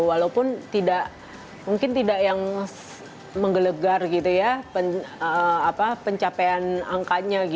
walaupun tidak yang menggelegar pencapaian angkanya